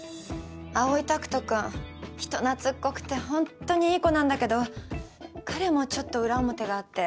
葵拓人君人懐っこくてホントにいい子なんだけど彼もちょっと裏表があって